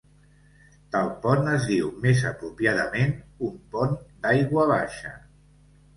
Tal pont es diu més apropiadament un pont d'aigua baixa.